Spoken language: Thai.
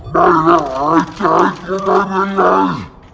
ไม่รักอายใจก็ไม่เป็นไร